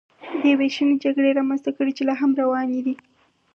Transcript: دې وېشنې جګړې رامنځته کړې چې لا هم روانې دي